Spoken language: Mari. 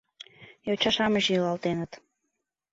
Йоча-шамыч йӱлалтеныт.